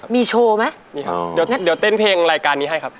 มีโชว์ไหมมีครับเดี๋ยวเต้นเพลงรายการนี้ให้ครับ